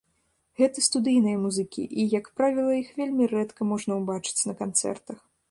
Гэта студыйныя музыкі і, як правіла, іх вельмі рэдка можна ўбачыць на канцэртах.